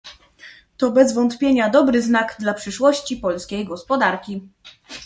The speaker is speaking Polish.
To bez wątpienia dobry znak dla przyszłości polskiej gospodarki.